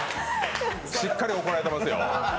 しっかり怒られてますよ。